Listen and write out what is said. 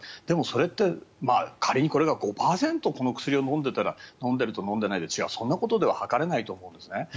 でも、それって仮にこれが５％この薬を飲んでると飲んでないで違うそんなことでは図れないと思うんですね。